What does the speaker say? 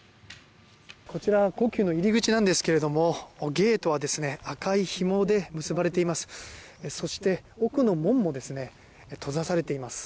こちら故宮の入り口なんですがゲートは赤いひもで結ばれています。